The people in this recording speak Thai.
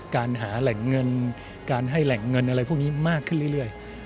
การหาแหล่งเงินการให้แหล่งเงินอะไรพวกนี้มากขึ้นเรื่อย